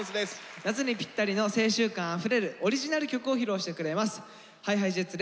夏にぴったりの青春感あふれるオリジナル曲を披露してくれます。ＨｉＨｉＪｅｔｓ